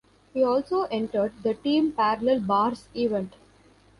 He also entered the team parallel bars event.